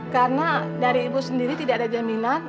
karena dari ibu sendiri tidak ada jaminan